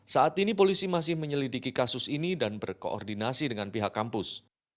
saat ini polisi masih menyelidiki kasus ini dan berkoordinasi dengan pihak kampus